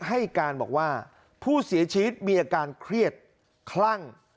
ให้การบอกว่าผู้เสียชีวิตมีอาการเครียดคลั่ง